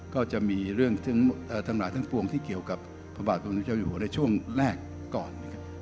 ก็จะมีเรื่องทั้งหลายทั้งปวงที่เกี่ยวกับพระบาทพระพุทธเจ้าอยู่หัวในช่วงแรกก่อนนะครับ